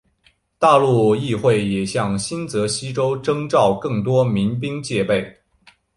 大陆议会也向新泽西州征召更多民兵戒备。